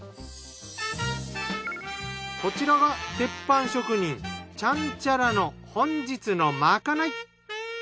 こちらが鉄板職人ちゃんちゃらの本日のまかない。